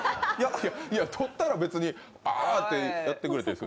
取ったら別にあってやってくれたらいい。